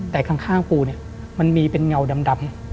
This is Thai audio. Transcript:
แต่ข้างปูเนี่ยมันมีเป็นเงาดำ